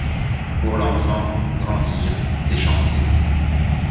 Pour l’enfant, grandir, c’est chanceler.